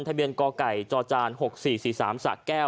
ทะเบียนกไก่จจ๖๔๔๓สะแก้ว